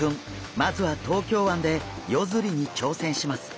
まずは東京湾で夜釣りにちょうせんします。